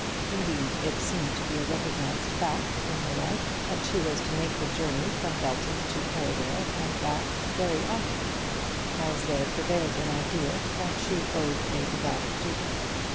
Indeed it seemed to be a recognised fact in her life that she was to make the journey from Belton to Perivale and back very often, as there prevailed an idea that she owed a divided duty.